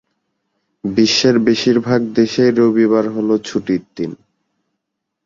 বিশ্বের বেশিরভাগ দেশেই রবিবার হলো ছুটির দিন।